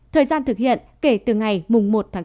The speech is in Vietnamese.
thời gian thực hiện kể từ ngày một tháng tám